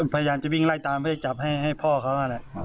พยายามจะวิ่งไล่ตามเพื่อจับให้พ่อเขานั่นแหละ